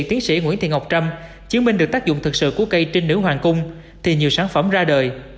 tiến sĩ nguyễn thị ngọc trâm chứng minh được tác dụng thực sự của cây trinh nữ hoàng cung thì nhiều sản phẩm ra đời